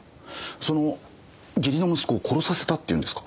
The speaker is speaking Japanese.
その義理の息子を殺させたっていうんですか？